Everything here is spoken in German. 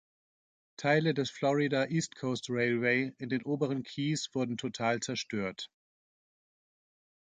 Teile des Florida East Coast Railway in den oberen Keys wurden total zerstört.